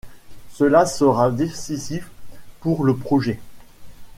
Cela sera décisif pour le projet.